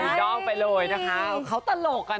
เป็นไอดอลไปเลยนะคะเขาตลกอ่ะเนาะ